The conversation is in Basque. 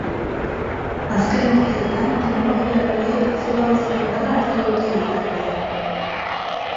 Azken urteetan teknologia berriek izugarrizko indarra hartu dute gizartean.